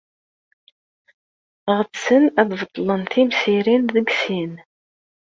Ɣetsen ad beṭlen timsirin deg sin.